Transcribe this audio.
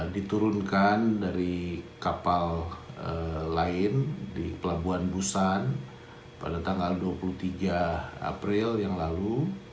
diturunkan dari kapal lain di pelabuhan busan pada tanggal dua puluh tiga april yang lalu